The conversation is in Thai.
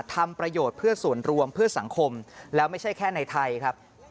ทำประโยชน์เพื่อส่วนรวมเพื่อสังคมแล้วไม่ใช่แค่ในไทยครับ